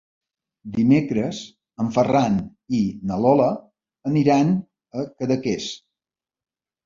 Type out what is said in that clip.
Dimecres en Ferran i na Lola aniran a Cadaqués.